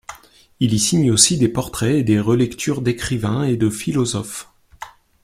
Il y signe aussi des portraits et des relectures d'écrivains et de philosophes.